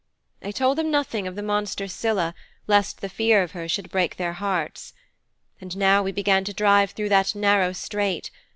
I told them nothing of the monster Scylla, lest the fear of her should break their hearts. And now we began to drive through that narrow strait.